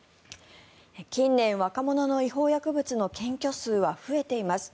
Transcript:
近年、若者の違法薬物の検挙数は増えています。